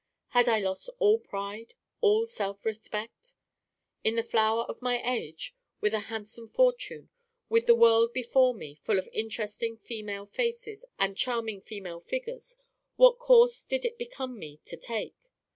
Had I lost all pride, all self respect? In the flower of my age, with a handsome fortune, with the world before me, full of interesting female faces and charming female figures, what course did it become me to take?